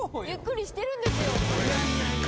ゆっくりしてるんですよ。